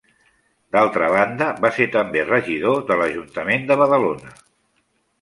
D'altra banda, va ser també regidor de l'Ajuntament de Badalona.